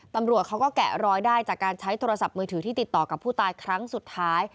ตำรวจเขาก็แกะรอยได้จากการใช้โทรศัพท์มือถือที่ติดต่อกับผู้ตายครั้งสุดท้าย